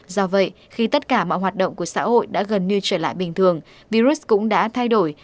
do vậy khi tất cả mọi hoạt động của xã hội đã gần như trở lại bình thường virus cũng đã thay đổi